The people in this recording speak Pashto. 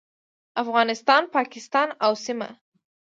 افغانستان، پاکستان او سیمه